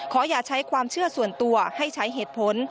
อย่าใช้ความเชื่อส่วนตัวให้ใช้เหตุผล